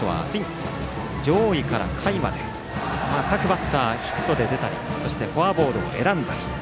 上位から下位まで各バッター、ヒットで出たりフォアボールを選んだり。